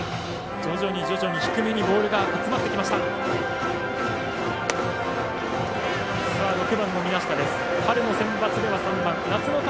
徐々に低めにボールが集まってきました。